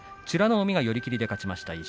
海が寄り切りで勝ちました。